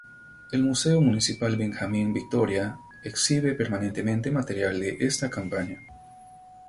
El Museo Municipal Benjamín Victorica exhibe permanentemente material de esta campaña.